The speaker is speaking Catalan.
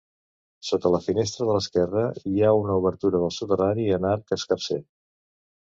Sota la finestra de l'esquerra, hi ha una obertura del soterrani en arc escarser.